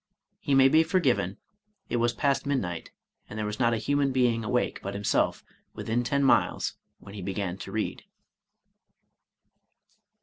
He may be forgiven, it was past midnight, and there was not a human being awake but himself within ten miles when he began to read.